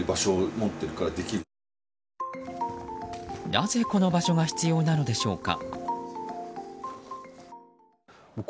なぜ、この場所が必要なのでしょうか。